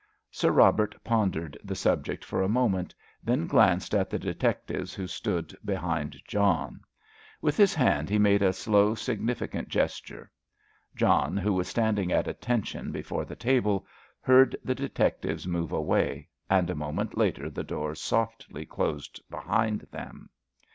Sir Robert pondered the subject for a moment, then glanced at the detectives who stood behind John; with his hand he made a slow, significant gesture. John, who was standing at attention before the table, heard the detectives move away, and a moment later the door softly closed behind them.